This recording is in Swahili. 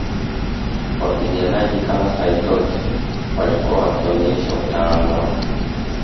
Wapiganaji kama Saitoti walikuwa wameonyesha utaalam wao